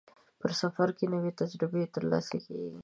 په سفر کې نوې تجربې ترلاسه کېږي.